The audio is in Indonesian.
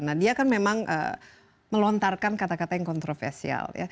nah dia kan memang melontarkan kata kata yang kontroversial